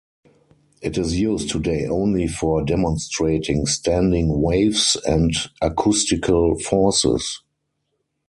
It is used today only for demonstrating standing waves and acoustical forces.